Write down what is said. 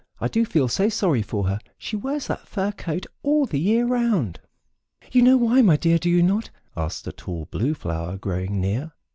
I do feel so sorry for her; she wears that fur coat all the year round." "You know why, my dear, do you not?" asked a tall Blue Flower growing near.